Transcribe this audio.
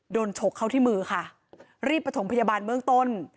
โดนฉกเข้าที่มือค่ะรีบประสงค์พยาบาลเมืองต้น